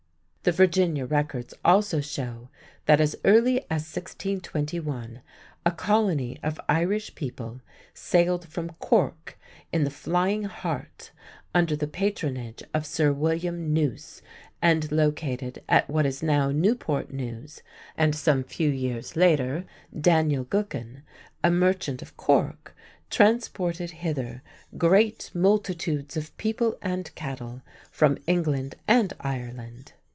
The Virginia records also show that as early as 1621 a colony of Irish people sailed from Cork in the Flying Harte under the patronage of Sir William Newce and located at what is now Newport News, and some few years later Daniel Gookin, a merchant of Cork, transported hither "great multitudes of people and cattle" from England and Ireland.